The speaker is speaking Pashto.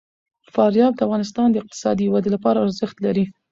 فاریاب د افغانستان د اقتصادي ودې لپاره ارزښت لري.